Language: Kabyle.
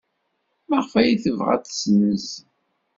Maɣef ay tebɣa ad t-tessenz?